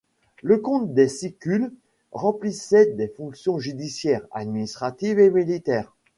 Le comte des Sicules remplissait des fonctions judiciaires, administratives et militaires.